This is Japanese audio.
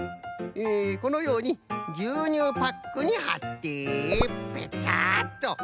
えこのようにぎゅうにゅうパックにはってペタッと。